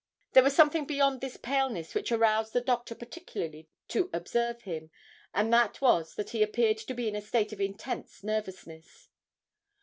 There was something beyond this paleness which aroused the doctor particularly to observe him, and that was that he appeared to be in a state of intense nervousness.